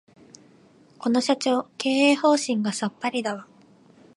この社長、経営方針がさっぱりだわ